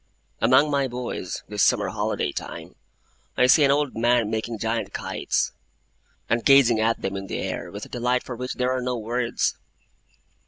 Among my boys, this summer holiday time, I see an old man making giant kites, and gazing at them in the air, with a delight for which there are no words.